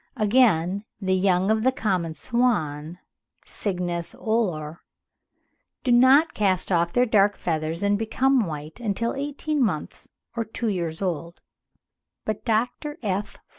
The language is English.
Again, the young of the common swan (Cygnus olor) do not cast off their dark feathers and become white until eighteen months or two years old; but Dr. F.